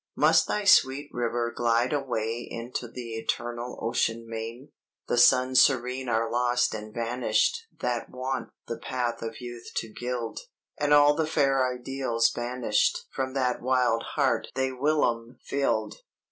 Must thy sweet river glide away Into the eternal Ocean Main? The suns serene are lost and vanish'd That wont the path of youth to gild, And all the fair Ideals banish'd From that wild heart they whilom fill'd.